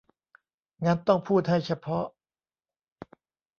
งั้นต้องพูดให้เฉพาะ